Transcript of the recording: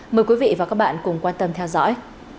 mời quý vị và các bạn cùng quan tâm theo dõi